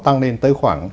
tăng lên tới khoảng